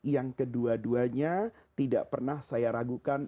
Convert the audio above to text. yang kedua duanya tidak pernah saya ragukan